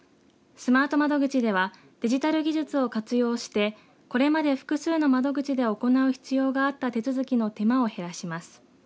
スマート窓口ではデジタル技術を活用してこれまで複数の窓口で行う必要があった手続きの手間を減らします。